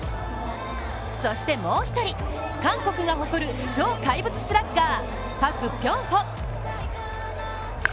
そしてもう一人、韓国が誇る超怪物スラッガー、パク・ピョンホ。